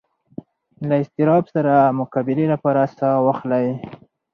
له اضطراب سره د مقابلې لپاره ساه واخلئ.